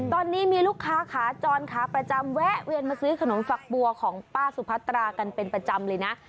ตอนนี้มีลูกค้าขาจรขาประจำแวะเวียนมาซื้อขนมฝักบัวของป้าสุพัตรากันเป็นประจำเลยนะ